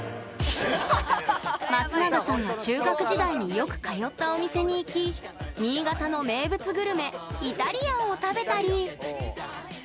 松永さんが中学時代によく通ったお店に行き新潟の名物グルメイタリアンを食べたり。